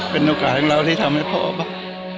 เป็นโอกาสของเราที่ทำให้พ่อครับ